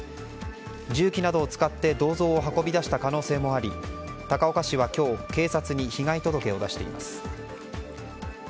重機などを使って銅像を運び出した可能性もあり高岡市は今日警察に被害届を出しています。